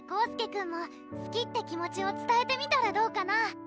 宏輔くんもすきって気持ちをつたえてみたらどうかな？